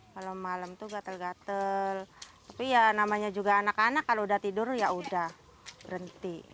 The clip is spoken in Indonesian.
kalau malam tuh gatel gatel tapi ya namanya juga anak anak kalau udah tidur ya udah berhenti